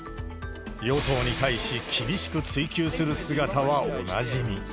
与党に対し厳しく追及する姿はおなじみ。